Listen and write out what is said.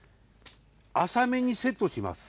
浅めにセットします。